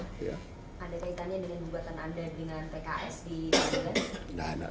ada ceritanya dengan pembuatan anda dengan pks di jalan jalan tengah